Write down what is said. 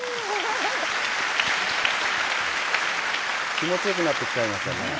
気持ちよくなってきちゃいましたね。